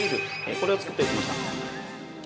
これを作っておきました。